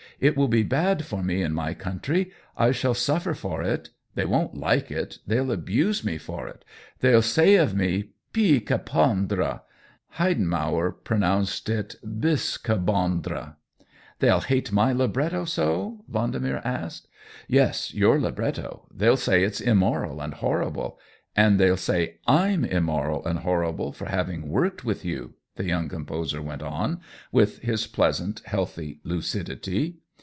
It will be bad for me in my country ; I shall suffer for it. They won't like it — they'll abuse me for it — they'll say of me pis que pendre^ Heidenmauer pronounced it bis que bendre, " They'll hate my libretto so ?" Vendemer asked. "Yes, your libretto — they'll say it's im moral and horrible. And they'll say Fm immoral and horrible for having worked with you," the young composer went on, with his pleasant, healthy lucidity.